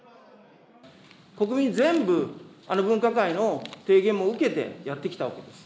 国民全部、分科会の提言を受けてやってきたわけです。